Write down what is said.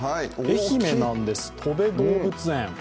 愛媛なんです、とべ動物園。